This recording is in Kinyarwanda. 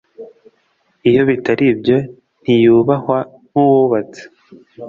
iyo bitari ibyo ntiyubahwa nk‘uwubatse.